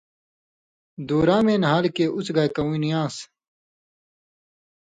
دوراں مِیں نھال کھیں اُوڅھہۡ گائ کؤں نی آن٘س۔